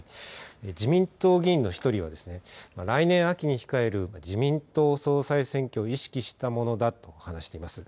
自民党議員の１人はですね、来年秋に控える自民党総裁選挙を意識したものだと話しています。